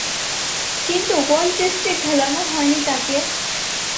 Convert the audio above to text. কিন্তু, কোন টেস্টে খেলানো হয়নি তাকে।